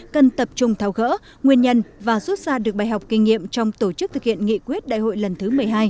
cần tập trung thao gỡ nguyên nhân và rút ra được bài học kinh nghiệm trong tổ chức thực hiện nghị quyết đại hội lần thứ một mươi hai